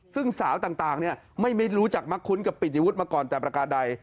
ซึ่งสาวต่างไม่รู้จักมักคุ้นกับปิติวุฒิมาก่อนแต่ประการใด